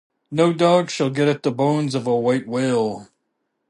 No dog shall get at the bones of a white whale.